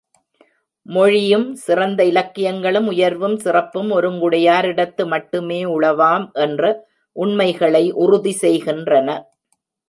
ஆகவே, உயர்ந்த மொழியும், சிறந்த இலக்கியங்களும், உயர்வும் சிறப்பும் ஒருங்குடையாரிடத்து மட்டுமே உளவாம் என்ற உண்மைகளை உறுதி செய்கின்றன.